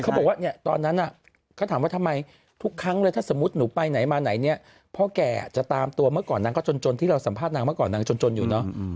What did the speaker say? เขาบอกว่าเนี่ยตอนนั้นเขาถามว่าทำไมทุกครั้งเลยถ้าสมมุติหนูไปไหนมาไหนเนี่ยพ่อแก่จะตามตัวเมื่อก่อนนางก็จนที่เราสัมภาษณ์นางเมื่อก่อนนางจนอยู่เนอะ